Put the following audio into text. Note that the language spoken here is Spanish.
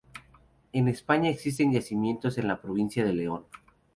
En España existen yacimientos en la provincia de León.